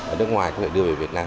ở nước ngoài có thể đưa về việt nam